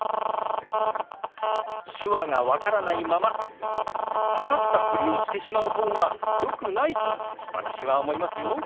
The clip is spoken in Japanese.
手話が分からないまま分かったふりをしてしまう方がよくないと私は思いますよ。